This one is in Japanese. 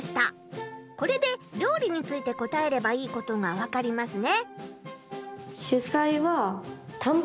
これで料理について答えればいいことが分かりますね。